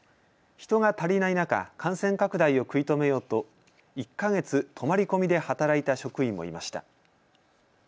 人が足りない中、感染拡大を食い止めようと１か月、泊まり込みで働いた職員もいました。